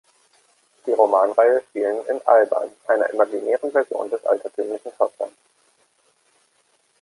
Die Romanreihe spielen in Alban, einer imaginären Version des altertümlichen Schottlands.